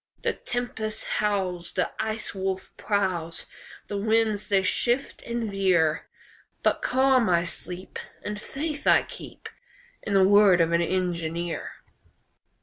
The tempest howls, The Ice Wolf prowls, The winds they shift and veer, But calm I sleep, And faith I keep In the word of an engineer.